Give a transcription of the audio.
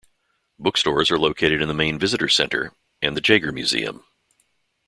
Bookstores are located in the main visitor center and the Jaggar Museum.